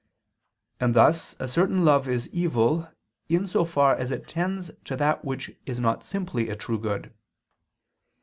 And thus a certain love is evil, in so far as it tends to that which is not simply a true good.